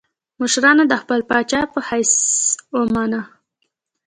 مشرانو د خپل پاچا په حیث ومانه.